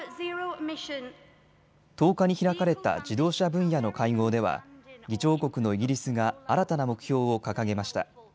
１０日に開かれた自動車分野の会合では議長国のイギリスが新たな目標を掲げました。